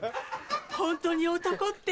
ホントに男って。